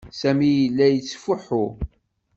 Sami yella yettfuḥu.